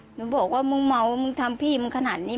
หนูบอกว่ามึงเมามึงทำพี่มึงขนาดนี้